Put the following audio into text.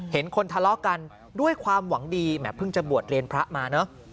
เห็นคนทะเลาะกันด้วยความหวังดีแหมเพิ่งจะบวชเรียนพระมาเนอะ